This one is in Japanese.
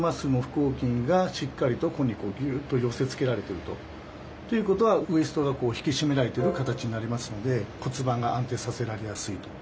横筋がしっかりとここにギュッと寄せつけられてると。っていうことはウエストが引き締められてる形になりますので骨盤が安定させられやすいと。